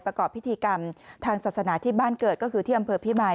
ประกอบพิธีกรรมทางศาสนาที่บ้านเกิดก็คือที่อำเภอพิมาย